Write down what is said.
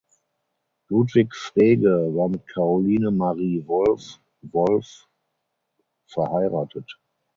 Ludwig Frege war mit Caroline Marie Wolf (Wolff) verheiratet.